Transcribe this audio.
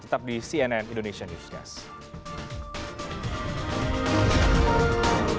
tetap di cnn indonesia newscast